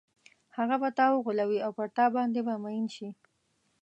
هغه به تا وغولوي او پر تا باندې به مئین شي.